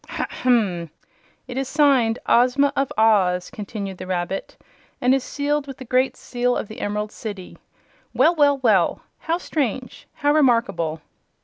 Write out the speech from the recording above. "Ha hum! It is signed 'Ozma of Oz,'" continued the rabbit, "and is sealed with the Great Seal of the Emerald City. Well, well, well! How strange! How remarkable!"